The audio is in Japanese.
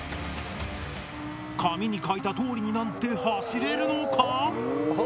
紙に書いたとおりになんて走れるのか？